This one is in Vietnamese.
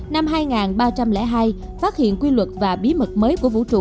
năm hai ba trăm linh hai phát hiện quy luật và bí mật mới